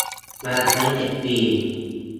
มาใช้เน็ตฟรี